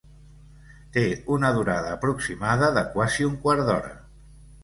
Té una durada aproximada de quasi un quart d'hora.